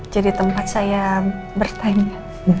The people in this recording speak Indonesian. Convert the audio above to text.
jadi tempat saya bertanya